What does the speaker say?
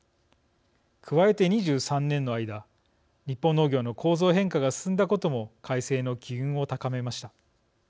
加えて２３年の間日本農業の構造変化が進んだことも改正の機運を高めました。